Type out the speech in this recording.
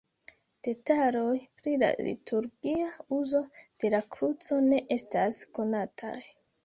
Detaloj pri la liturgia uzo de la kruco ne estas konataj.